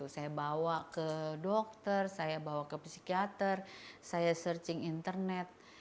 saya bawa ke dokter saya bawa ke psikiater saya searching internet